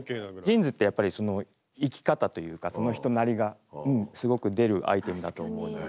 ジーンズってやっぱり生き方というかその人なりがすごく出るアイテムだと思うので。